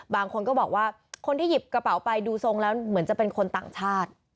บางคนก็บอกว่าคนที่หยิบกระเป๋าไปดูทรงแล้วเหมือนจะเป็นคนต่างชาติ